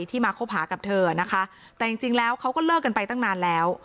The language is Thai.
มาคบหากับเธอนะคะแต่จริงจริงแล้วเขาก็เลิกกันไปตั้งนานแล้ว